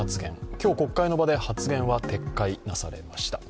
今日、国会の場で発言は撤回がなされました。